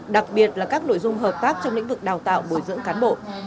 đặc biệt là các nội dung hợp tác trong lĩnh vực đào tạo bồi dưỡng cán bộ